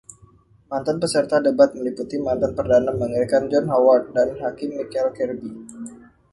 Mantan peserta debat meliputi mantan Perdana Mengeri John Howard dan Hakim Michael Kirby.